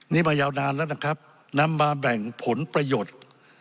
นี่มายาวนานแล้วนะครับนำมาแบ่งผลประโยชน์